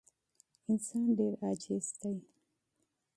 انسان ډېر عاجز دی.